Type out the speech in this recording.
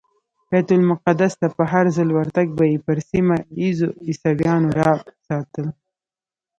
بیت المقدس ته په هرځل ورتګ به یې پر سیمه ایزو عیسویانو رعب ساتل.